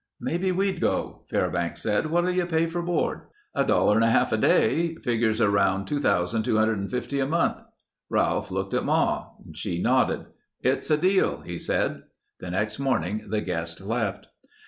"Maybe we'd go," Fairbanks said. "What'll you pay for board?" "A dollar and a half a day. Figures around $2250 a month." Ralph looked at Ma. She nodded. "It's a deal," he said. The next morning the guest left.